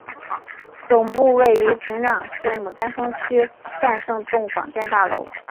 总部位于平壤市牡丹峰区战胜洞广电大楼。